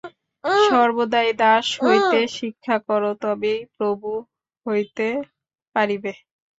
সর্বদাই দাস হইতে শিক্ষা কর, তবেই প্রভু হইতে পারিবে।